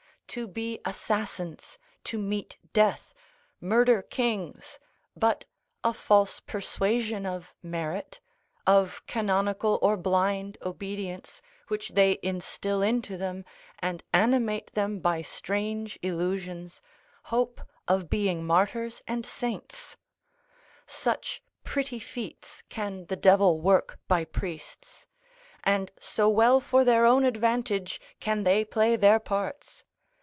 to be assassins, to meet death, murder kings, but a false persuasion of merit, of canonical or blind obedience which they instil into them, and animate them by strange illusions, hope of being martyrs and saints: such pretty feats can the devil work by priests, and so well for their own advantage can they play their parts.